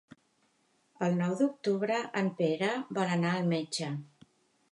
El nou d'octubre en Pere vol anar al metge.